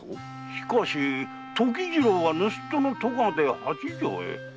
しかし時次郎は盗人の咎で八丈へ。